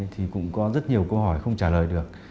thì cũng có rất nhiều câu hỏi không trả lời được